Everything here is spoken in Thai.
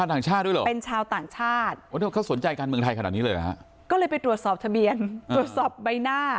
ด้วยว่าเป็นชาวต่างชาติสนใจการมือกับนี้เลยตรวจสอบทะเบียนตัวสอบใบหน้า